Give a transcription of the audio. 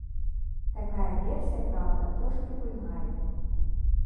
Такая версія, праўда, трошкі кульгае.